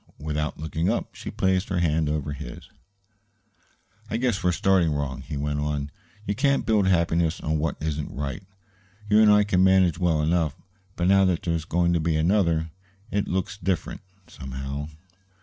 Without looking up, she placed her hand over his. "I guess we started wrong," he went on. "You can't build happiness on what isn't right. You and I can manage well enough; but now that there's going to be another, it looks different, somehow."